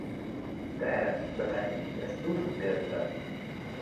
دایە، بەتانیێکی ئەستوورم پێ بدە.